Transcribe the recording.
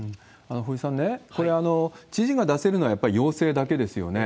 堀さん、これ、知事が出せるのはやっぱり要請だけですよね。